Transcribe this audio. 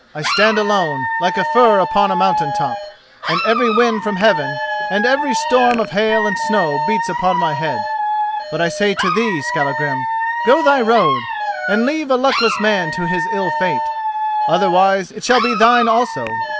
I stand alone, like a fir upon a mountain top, and every wind from heaven and every storm of hail and snow beats upon my head. But I say to thee, Skallagrim: go thy road, and leave a luckless man to his ill fate. Otherwise it shall be thine also.